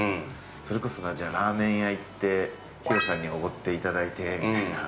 それこそ、ラーメン屋行ってＨＩＲＯさんにおごっていただいてみたいな。